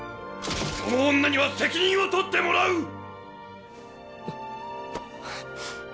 その女には責任を取ってもらう！